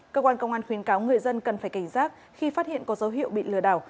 cơ quan công an khuyến cáo người dân cần phải cảnh giác khi phát hiện có dấu hiệu bị lừa đảo